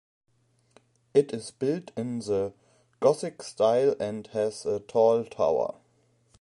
It is built in the Gothic style and has a tall tower.